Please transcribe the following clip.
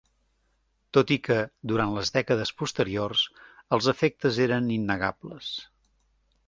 Tot i que, durant les dècades posteriors, els efectes eren innegables.